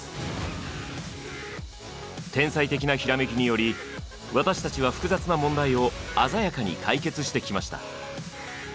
天才的なひらめきにより私たちは複雑な問題を鮮やかに解決してきました。